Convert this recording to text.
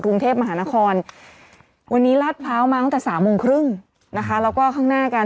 กรุงเทพมหานครวันนี้ลาดพร้าวมาตั้งแต่สามโมงครึ่งนะคะแล้วก็ข้างหน้ากัน